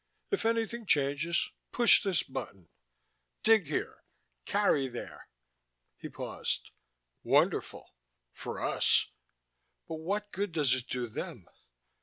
If anything changes push this button. Dig here. Carry there." He paused. "Wonderful for us. But what good does it do them?"